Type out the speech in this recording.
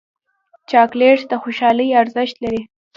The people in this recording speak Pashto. چاکلېټ د خوشحالۍ ارزښت لري